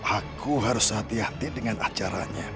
aku harus hati hati dengan acaranya